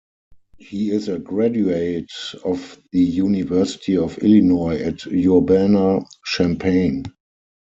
He is a graduate of the University of Illinois at Urbana-Champaign.